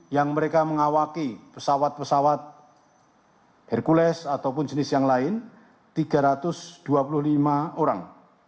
yang mereka mengawaki pesawat pesawat hercules ataupun jenis yang lain tiga ratus dua puluh lima orang